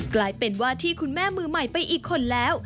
กลายเป็นว่าที่คุณแม่มือใหม่ไปอีกคนแล้ว